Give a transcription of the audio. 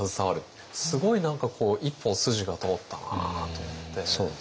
すごい何かこう一本筋が通ったなと思って。